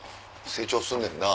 成長すんねんな。